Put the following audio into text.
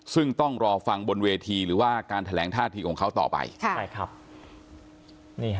ซึ่งต้องรอฟังบนเวทีหรือว่าการแถลงท่าทีของเขาต่อไป